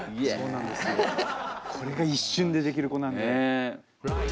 これが一瞬でできる子なんで。